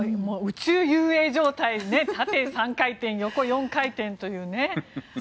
宇宙遊泳状態で縦３回転、横４回転というね。